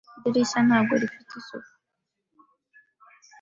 Idirishya ntabwo rifite isuku.